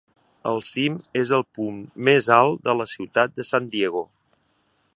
El cim és el punt més alt de la ciutat de San Diego.